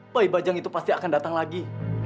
pay bajang itu pasti akan datang lagi